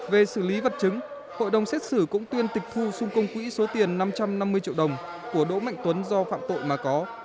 về xử lý vật chứng hội đồng xét xử cũng tuyên tịch thu xung công quỹ số tiền năm trăm năm mươi triệu đồng của đỗ mạnh tuấn do phạm tội mà có